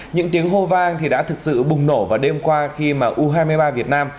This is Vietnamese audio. những tiếng hô vang thì đã thực sự bùng nổ vào đêm qua khi mà u hai mươi ba việt nam